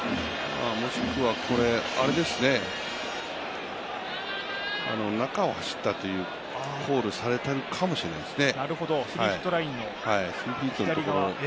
もしくは、これ、中を走ったとコールされたのかもしれないですね。